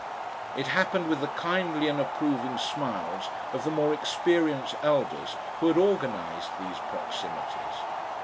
It happened with the kindly and approving smiles of the more experienced elders who had organised these proximities.